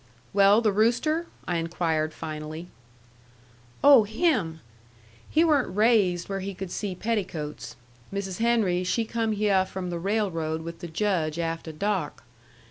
"Well, the rooster?" I inquired finally. "Oh, him! He weren't raised where he could see petticoats. Mrs. Henry she come hyeh from the railroad with the Judge afteh dark.